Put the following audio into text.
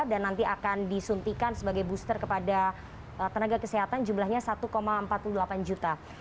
dan nanti akan disuntikan sebagai booster kepada tenaga kesehatan jumlahnya satu empat puluh delapan juta